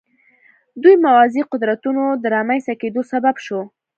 دوه موازي قدرتونو د رامنځته کېدو سبب شو.